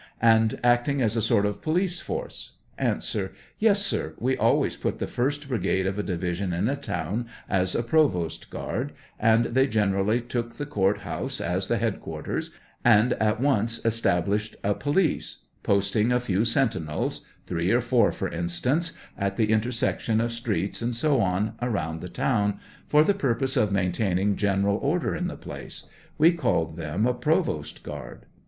And acting as a sort of police force? A. Yes, sir; we always put the first brigade of a division in a town as a provost guard, and they gener ally took the Court House as tie headquarters, and at once established a police, posting a few sentinels — three or four for instance — at the intersection of streets, and so on, around the town, for the purpose of maintaining general order in the place ; we called them a provost guard.